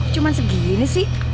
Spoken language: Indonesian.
cuman segini sih